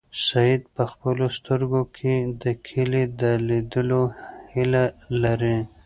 سعید په خپلو سترګو کې د کلي د لیدلو هیله لري.